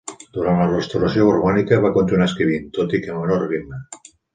Durant la Restauració borbònica va continuar escrivint, tot i que a menor ritme.